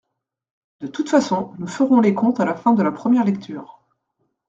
De toute façon, nous ferons les comptes à la fin de la première lecture.